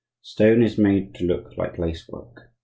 Stone is made to look like lace work.